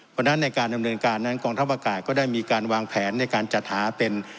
เพราะฉะนั้นในการดำเนินการนั้นกองทัพอากาศก็ได้มีการวางแผนในการจัดหาเป็น